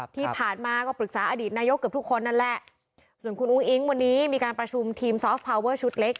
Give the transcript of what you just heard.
ที่ผ่านมาก็ปรึกษาอดีตนายกเกือบทุกคนนั่นแหละส่วนคุณอุ้งอิ๊งวันนี้มีการประชุมทีมซอฟพาวเวอร์ชุดเล็ก